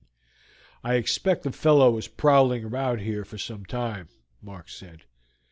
"I expect the fellow was prowling about here for some time," Mark said.